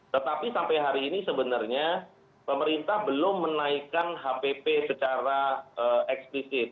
tetapi sampai hari ini sebenarnya pemerintah belum menaikkan hpp secara eksplisit